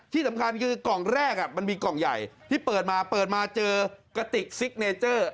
ที่สำคัญคือกล่องแรกมันมีกล่องใหญ่ที่เปิดมาเปิดมาเจอกระติกซิกเนเจอร์